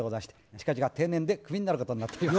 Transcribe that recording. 近々定年でクビになることになっております。